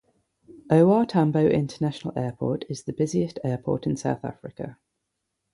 O. R. Tambo International Airport is the busiest airport in South Africa.